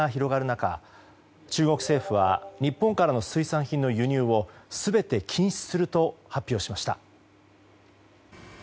中中国政府は日本からの水産品の輸入を全て禁止すると発表しました。